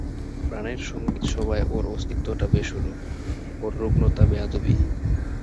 প্রাণের সংগীতসভায় ওর অস্তিত্বটা বেসুরো, ওর রুগ্নতা বেয়াদবি।